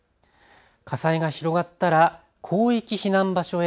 火災が広がったら広域避難場所へ